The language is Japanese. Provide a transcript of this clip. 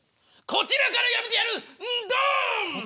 こちらからやめてやる？